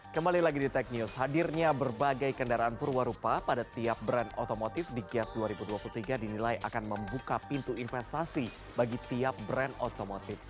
kembali lagi di tech news hadirnya berbagai kendaraan perwarupa pada tiap brand otomotif di gias dua ribu dua puluh tiga dinilai akan membuka pintu investasi bagi tiap brand otomotif